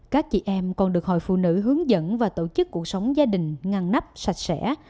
các chị em còn được hội phụ nữ hướng dẫn và tổ chức cuộc sống gia đình ngăn nắp sạch sẽ